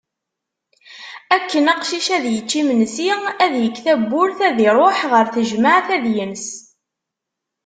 Akken, aqcic ad yečč imensi, ad yekk tawwurt ad iruḥ ɣer tejmeɛt ad ines.